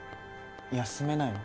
休めないの？